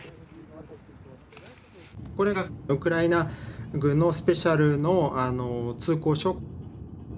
これがウクライナ軍のスペシャルの通行証。